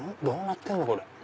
どうなってんの？